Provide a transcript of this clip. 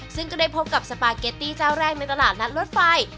ซึ่งก็ได้พบกับสปาเกตตี้เจ้าแรกในตลาดนัดรถไฟ